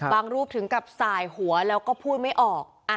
รูปถึงกับสายหัวแล้วก็พูดไม่ออก